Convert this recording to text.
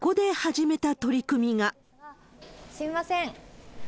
すみません。